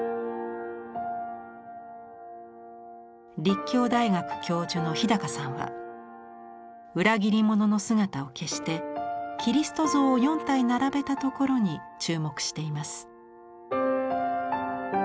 立教大学教授の日高さんは裏切り者の姿を消してキリスト像を４体並べたところに注目しています。